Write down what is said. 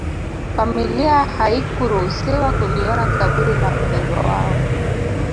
familia haikuruhusiwa kuliona kaburi la mpwendwa wao